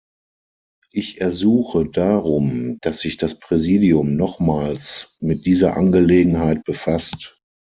Ich ersuche darum, dass sich das Präsidium nochmals mit dieser Angelegenheit befasst.